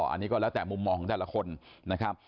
อันนี้ก็แล้วแต่มุมมองของแต่ละคนนะครับ